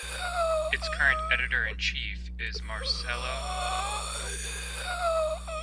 Its current editor-in-chief is Marcelo Knobel.